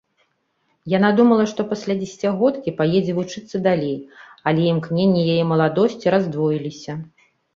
Яна думала, што пасля дзесяцігодкі паедзе вучыцца далей, але імкненні яе маладосці раздвоіліся.